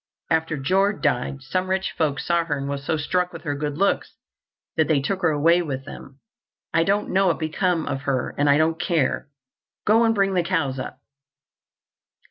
After Jord died, some rich folks saw her and was so struck with her good looks that they took her away with them. I don't know what become of her, and I don't care. Go and bring the cows up."